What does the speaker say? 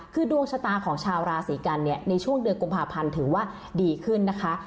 คือดวงชะตาของชาวราศีกันเนี่ยในช่วงเดือนกุมภาพันธ์ถือว่าดีขึ้นนะคะ